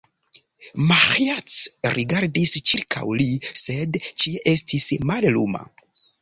Maĥiac rigardis ĉirkaŭ li, sed ĉie estis malluma.